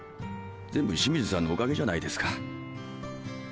全部清水さんのおかげじゃないですか。